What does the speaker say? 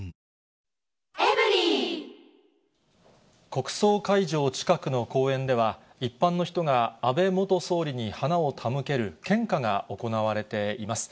国葬会場近くの公園では、一般の人が安倍元総理に花を手向ける献花が行われています。